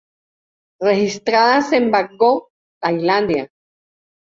Registradas en Bangkok, Tailandia.